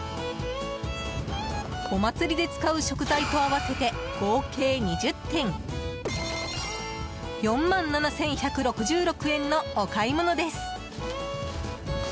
お祭りで使う食材と合わせて合計２０点４万７１６６円のお買い物です。